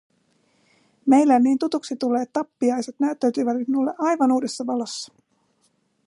Meille niin tutuksi tulleet tappiaiset näyttäytyivät nyt minulle aivan uudessa valossa.